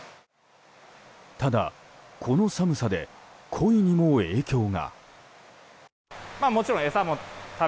ただ、この寒さでコイにも影響が。